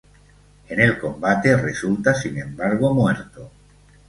En el combate resulta sin embargo muerto.